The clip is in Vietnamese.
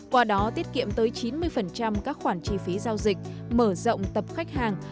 qua đó tiết kiệm tới chín mươi các khoản chi phí giao dịch mở rộng tập khách hàng